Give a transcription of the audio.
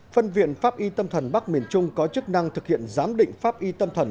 phân viện pháp y tâm thần bắc miền trung có chức năng thực hiện giám định pháp y tâm thần